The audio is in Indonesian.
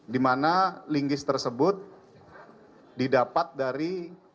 di mana linggis tersebut didapat dari